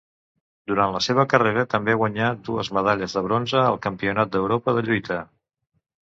Durant la seva carrera també guanyà dues medalles de bronze al Campionat d'Europa de lluita.